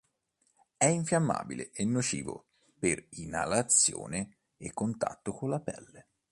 È infiammabile e nocivo per inalazione e contatto con la pelle.